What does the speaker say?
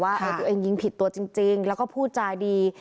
ว่าตัวเองยิงผิดตัวจริงแล้วก็พูดจาดี